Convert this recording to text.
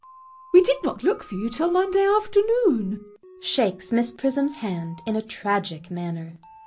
We did not look for you till Monday afternoon. JACK. [Shakes Miss Prism's hand in a tragic manner.